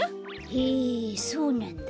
へえそうなんだ。